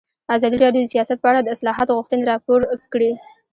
ازادي راډیو د سیاست په اړه د اصلاحاتو غوښتنې راپور کړې.